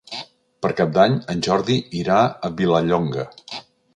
Per Cap d'Any en Jordi irà a Vilallonga.